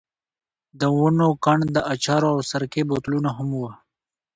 د ونو کنډ، د اچارو او سرکې بوتلونه هم وو.